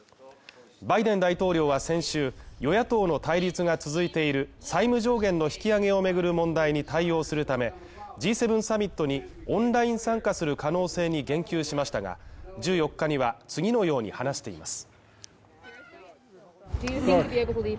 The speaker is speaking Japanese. バイデン大統領は先週、与野党の対立が続いている債務上限の引き上げを巡る問題に対応するため、Ｇ７サミットにオンライン参加する可能性に言及しましたが、１４日には次のように話しています